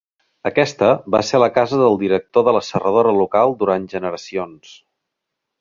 Aquesta va ser la casa del director de la serradora local durant generacions.